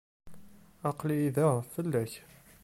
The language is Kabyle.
Aql-iyi da fell-ak.